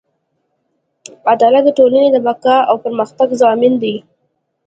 عدالت د ټولنې د بقا او پرمختګ ضامن دی.